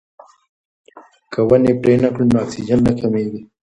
که ونې پرې نه کړو نو اکسیجن نه کمیږي.